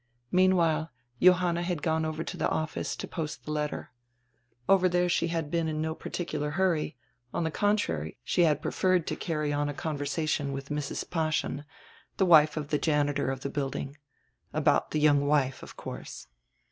Meanwhile Johanna had gone over to die office to post die letter. Over there she had been in no particular hurry; on die contrary, she had preferred to carry on a conver sation with Mrs. Paaschen, die wife of die janitor of die building. About die young wife, of course.